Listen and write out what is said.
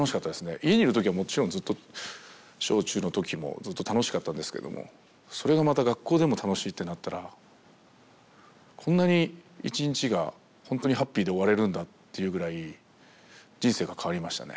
家にいるときはもちろんずっと小中のときもずっと楽しかったんですけどもそれがまた学校でも楽しいってなったらこんなに一日がほんとにハッピーで終われるんだっていうぐらい人生が変わりましたね。